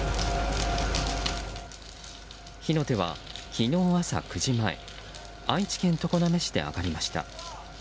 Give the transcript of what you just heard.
火の手は、昨日朝９時前愛知県常滑市で上がりました。